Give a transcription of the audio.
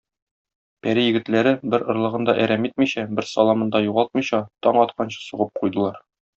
Пәри егетләре, бер орлыгын да әрәм итмичә, бер саламын да югалтмыйча, таң атканчы, сугып куйдылар.